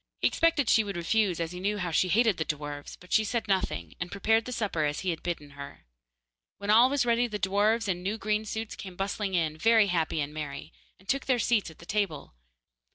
He expected she would refuse, as he knew she hated the dwarfs, but she said nothing, and prepared the supper as he had bidden her. When all was ready, the dwarfs, in new green suits, came bustling in, very happy and merry, and took their seats at the table.